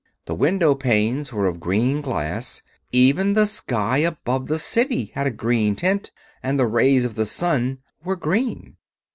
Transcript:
The window panes were of green glass; even the sky above the City had a green tint, and the rays of the sun were green.